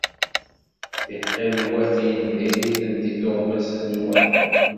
Tiḥelwatin diri-tent i tuɣmas-nwen.